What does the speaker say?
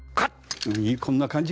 こんな感じかな？